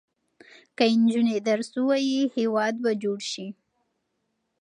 که نجونې درس ووايي، هېواد به جوړ شي.